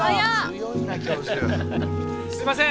すみません！